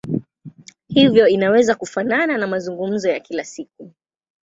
Hivyo inaweza kufanana na mazungumzo ya kila siku.